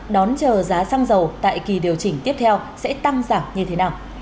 đón chờ giá xăng dầu tại kỳ điều chỉnh tiếp theo sẽ tăng giảm như thế nào